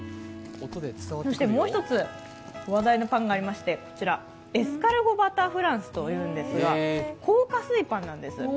そしてもう一つ話題のパンがありましてこちらこちら、エスカルゴバターフランスというんですが、高加水パンなんです。